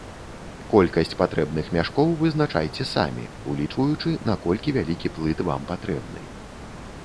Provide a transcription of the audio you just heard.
Колькасць патрэбных мяшкоў вызначайце самі, улічваючы, наколькі вялікі плыт вам патрэбны.